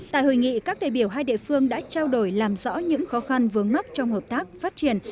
tại hội nghị các đại biểu hai địa phương đã trao đổi làm rõ những khó khăn vướng mắt trong hợp tác phát triển